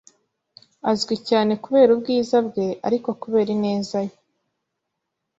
Azwi cyane kubera ubwiza bwe, ariko kubera ineza ye.